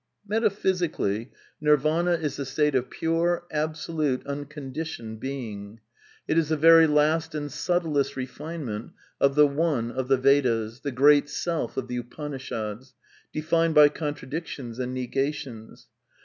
Metaphysically, Nirvana is the state of pure, absolute, unconditioned Being. It is the very last and subtlest refinement of the One of the Vedas, the Great Self of the Upanishads; defined by contradictions and negations.